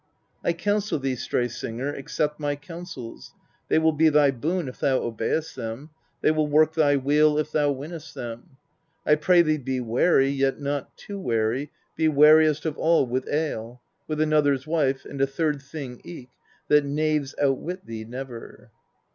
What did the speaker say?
130. I counsel thee, Stray Singer, accept my counsels, they will be thy boon if thou obey'st them, they will work thy weal if thou win'st them : I pray thee be wary, yet not too wary, be wariest of all with ale, with another's wife, and a third thing eke, that knaves outwit thee never.